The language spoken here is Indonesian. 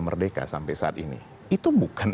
merdeka sampai saat ini itu bukan